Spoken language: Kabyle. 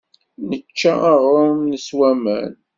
Nečča aɣrum, neswa aman.